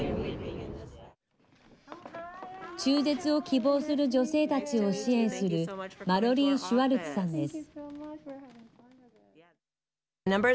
中絶を希望する女性たちを支援するマロリー・シュワルツさんです。